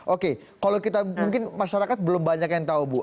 oke kalau kita mungkin masyarakat belum banyak yang tahu bu